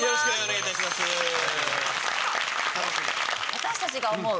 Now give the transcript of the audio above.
私たちが思う